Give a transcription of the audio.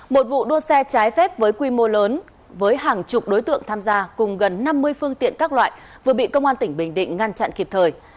một vụ đua xe trái phép với quy mô lớn với hàng chục đối tượng tham gia cùng gần năm mươi phương tiện các loại vừa bị công an tỉnh bình định ngăn chặn kịp thời